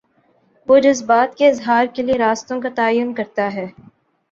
وہ جذبات کے اظہار کے لیے راستوں کا تعین کرتا ہے۔